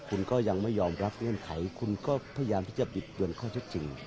คุณก็ยังไม่ยอมรับเงื่อนไขคุณก็พยายามที่จะบิดเบือนข้อเท็จจริง